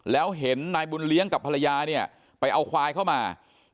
แล้วเห็นนายบุญเลี้ยงกับภรรยาเนี่ยไปเอาควายเข้ามา